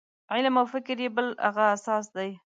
علم او فکر یې بل هغه اساس دی.